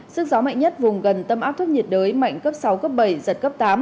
sức gió mạnh nhất vùng gần tâm áp thấp nhiệt đới mạnh cấp sáu cấp bảy giật cấp tám